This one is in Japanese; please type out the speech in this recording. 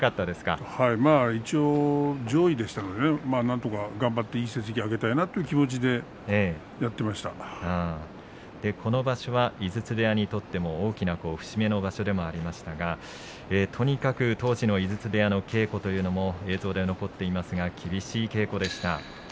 一応、上位でしたのでなんとか頑張って成績を上げたいなという気持ちでこの場所は井筒部屋にとっても大きな節目の場所でもありましたがとにかく当時の井筒部屋の稽古というのも映像では残っていますが厳しい稽古でした。